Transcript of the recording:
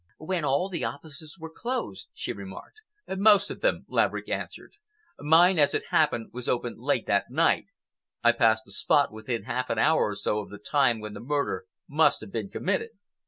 "When all the offices were closed," she remarked. "Most of them," Laverick answered. "Mine, as it happened, was open late that night. I passed the spot within half an hour or so of the time when the murder must have been committed."